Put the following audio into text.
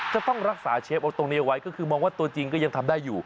ก็ต้องรักษาเชฟเอาตรงนี้เอาไว้ก็คือมองว่าตัวจริงก็ยังทำได้อยู่